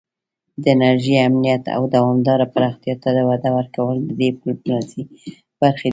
د انرژۍ امنیت او دوامداره پراختیا ته وده ورکول د دې ډیپلوماسي برخې دي